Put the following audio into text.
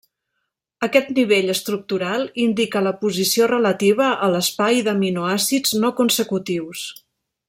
Aquest nivell estructural indica la posició relativa a l'espai d'aminoàcids no consecutius.